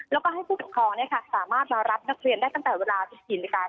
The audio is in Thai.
แล้วก็ให้ผู้ปกครองสามารถมารับนักเรียนได้ตั้งแต่เวลา๑๔นาฬิกา